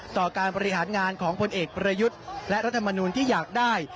ต่อการบริหารงานของพลเอกประยุทธ์และรัฐมนูลที่อยากได้